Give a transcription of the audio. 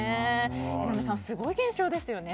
榎並さん、すごい現象ですよね。